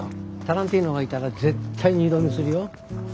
タランティーノがいたら絶対二度見するよ。